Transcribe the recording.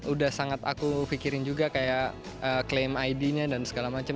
udah sangat aku pikirin juga kayak klaim id nya dan segala macam